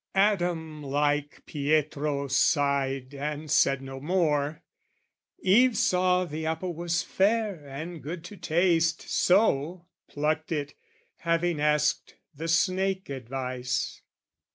Adam like, Pietro sighed and said no more: Eve saw the apple was fair and good to taste, So, plucked it, having asked the snake advice.